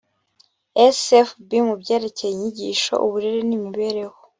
sfb mu byerekeye inyigisho uburere n imibereho